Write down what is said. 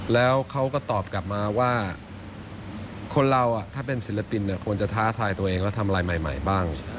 แล้วเขาก็ตอบกลับมาว่าคนเราถ้าเป็นศิลปินควรจะท้าทายตัวเองแล้วทำอะไรใหม่บ้าง